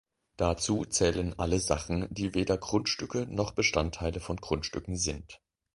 Dazu zählen alle Sachen, die weder Grundstücke noch Bestandteile von Grundstücken sind.